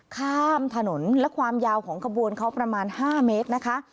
ข้ามถนนและความยาวของขบวนเขาประมาณ๕เมตรนะคะ